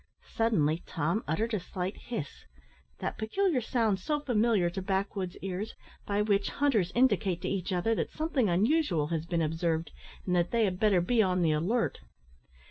Suddenly Tom uttered a slight hiss, that peculiar sound so familiar to backwoods ears, by which hunters indicate to each other that something unusual has been observed, and that they had better be on the alert.